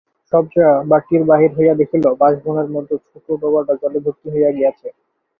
সবজয়া বাটীর বাহির হইয়া দেখিল বাশবনের মধ্যে ছোট ডোবাটা জলে ভর্তি হইয়া গিয়াছে।